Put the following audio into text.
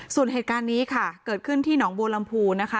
ส่วนเหตุการณ์นี้ค่ะเกิดขึ้นที่หนองบัวลำพูนะคะ